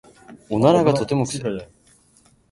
おならがとても臭い。